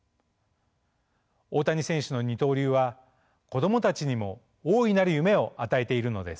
大谷選手の二刀流は子供たちにも大いなる夢を与えているのです。